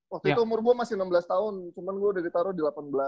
waktu itu umur gue masih enam belas tahun cuma gue udah ditaruh di delapan belas